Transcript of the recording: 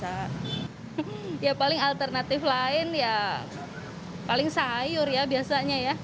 ya paling alternatif lain ya paling sayur ya biasanya ya